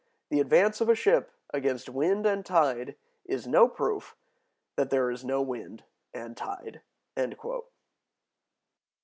"The advance of a ship against wind and tide is [no] proof that there is no wind and tide."